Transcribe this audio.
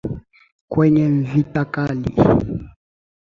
Kwenye vita kali.